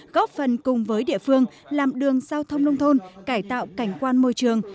góp phần cùng với địa phương làm đường giao thông nông thôn cải tạo cảnh quan môi trường